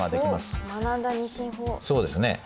そうですね。